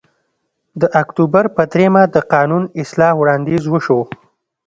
د اکتوبر په درېیمه د قانون اصلاح وړاندیز وشو